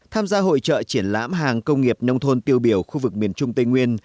tham gia hội trợ triển lãm hàng công nghiệp nông thôn tiêu biểu khu vực miền trung tây nguyên